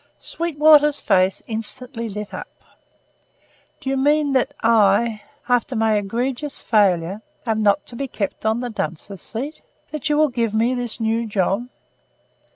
Sweetwater's face instantly lit up. "Do you mean that I after my egregious failure am not to be kept on the dunce's seat? That you will give me this new job?"